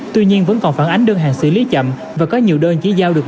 tuy nhiên vẫn còn phản ánh đơn hàng xử lý chậm và có nhiều đơn chỉ giao được